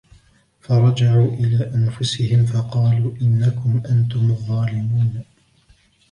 فرجعوا إلى أنفسهم فقالوا إنكم أنتم الظالمون